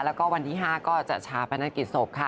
แล้วก็วันที่๕ก็จะชาปนกิจศพค่ะ